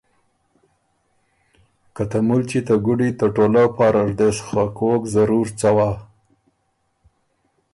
که ته مُلچی ته ګُدی ته ټولؤ پاره ر دې سو خه کوک ضرور څوا۔